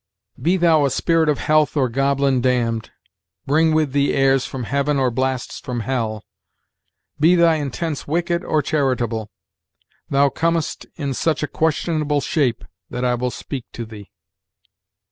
"'Be thou a spirit of health or goblin damn'd, Bring with thee airs from heaven or blasts from hell, Be thy intents wicked or charitable, Thou com'st in such a questionable shape That I will speak to thee.'